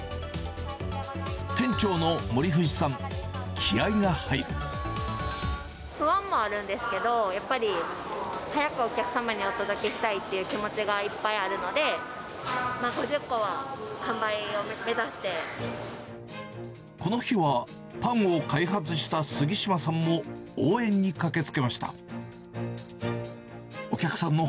店長の森藤さん、不安もあるんですけど、やっぱり早くお客様にお届けしたいっていう気持ちがいっぱいあるこの日は、パンを開発した杉島さんも応援に駆けつけました。